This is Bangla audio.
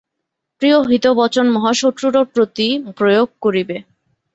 প্রিয় হিতবচন মহাশত্রুরও প্রতি প্রয়োগ করিবে।